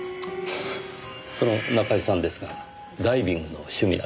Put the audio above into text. その中居さんですがダイビングの趣味などは？